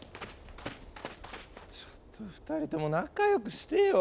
ちょっと２人とも仲良くしてよ。